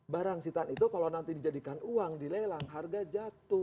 barang sitaan itu kalau nanti dijadikan uang dilelang harga jatuh